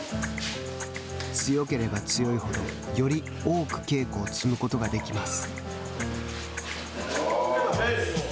強ければ強いほどより多く稽古を積むことができます。